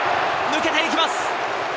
抜けていきます。